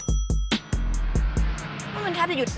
ทุกคนค่ะจะหยุดริมถนนนี่หรือคะ